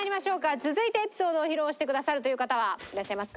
続いてエピソードを披露してくださるという方はいらっしゃいますか？